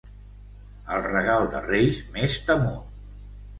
El regal de Reis més temut.